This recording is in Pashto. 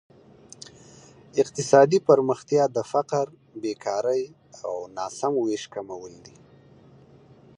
اقتصادي پرمختیا د فقر، بېکارۍ او ناسم ویش کمول دي.